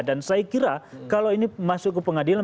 dan saya kira kalau ini masuk ke pengadilan